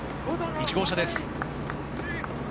１号車です。